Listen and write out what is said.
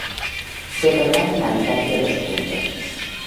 Se otorgaron la mitad de los puntos.